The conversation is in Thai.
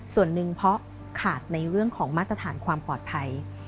ส่วนหนึ่งเพราะขาดในเรื่องของมาตรฐานความปลอดภัย